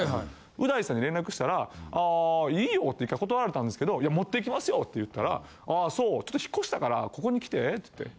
う大さんに連絡したら「あいいよ」って１回断られたんですけど「いや持って行きますよ」って言ったら「ああそう。引っ越したからここに来て」って言って。